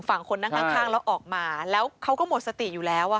คนนั่งข้างแล้วออกมาแล้วเขาก็หมดสติอยู่แล้วอ่ะ